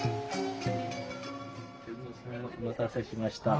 お待たせしました。